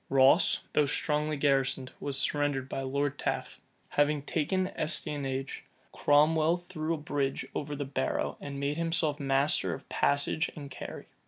Ross, though strongly garrisoned, was surrendered by Lord Taffe. Having taken Estionage, Cromwell threw a bridge over the Barrow, and made himself master of Passage and Carrie.